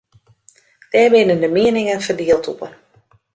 Dêr binne de mieningen ferdield oer.